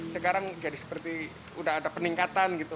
seperti sudah ada peningkatan gitu